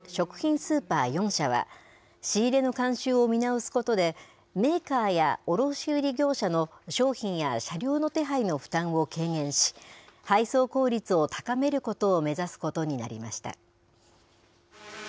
また、首都圏に店舗を展開する食品スーパー４社は、仕入れの慣習を見直すことで、メーカーや卸売り業者の商品や車両の手配の負担を軽減し、配送効率を高めることを目指すことになりました。